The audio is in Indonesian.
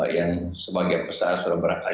yang sebagai besar sudah berakhir